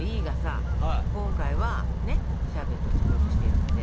今回はシャーベットを作ろうとしているので。